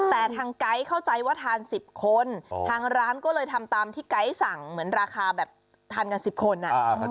แต่ทางไก๊เข้าใจว่าทาน๑๐คนทางร้านก็เลยทำตามที่ไก๊สั่งเหมือนราคาแบบทานกัน๑๐คน